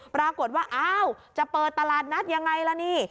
ปรากฏว่าอ้าวจะเปิดตลาดนัดยังไงล่ะนี่